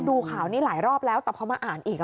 ดูข่าวนี้หลายรอบแล้วแต่พอมาอ่านอีก